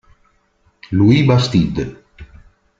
Louis Bastide